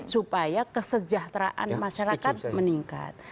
supaya kesejahteraan masyarakat meningkat